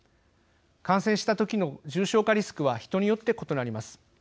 感染した時の重症化リスクは人によって異なります。